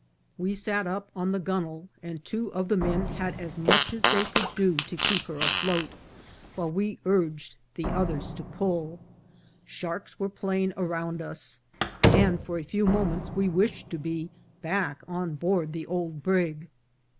"We sat up on the gunwale, and two of the men had as much as they could do to keep her afloat, while we urged the others to pull. Sharks were play ing around us. and for a few moments we wished to be back on board the old brig.